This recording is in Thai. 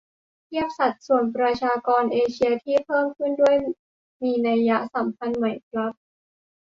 เทียบสัดส่วนประชากรเอเชียที่เพิ่มขึ้นด้วย มีนัยสำคัญไหมครับ ?